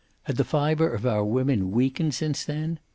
Had the fiber of our women weakened since then?